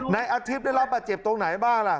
นายอาทิตย์ได้รับบาดเจ็บตรงไหนบ้างล่ะ